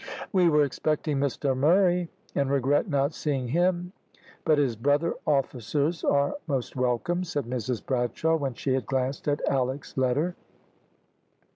"We were expecting Mr Murray, and regret not seeing him, but his brother officers are most welcome," said Mrs Bradshaw, when she had glanced at Alick's letter.